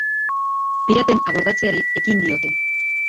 Piraten abordatzeari ekin diote.